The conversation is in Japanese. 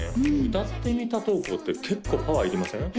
歌ってみた投稿って結構パワーいりません？